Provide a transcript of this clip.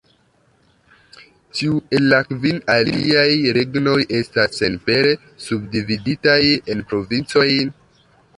Ĉiu el la kvin aliaj regnoj estas senpere subdividitaj en provincojn.